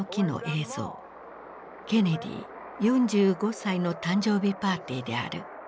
ケネディ４５歳の誕生日パーティーである。